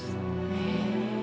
へえ。